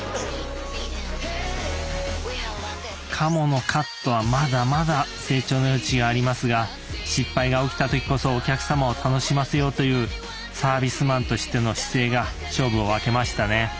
鴨のカットはまだまだ成長の余地がありますが失敗が起きた時こそお客様を楽しませようというサービスマンとしての姿勢が勝負を分けましたね。